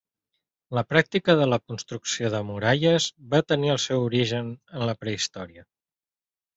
La pràctica de la construcció de muralles va tenir el seu origen en la prehistòria.